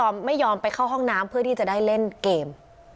ไม่ยอมไปเข้าห้องน้ำเพื่อที่จะได้เล่นเกม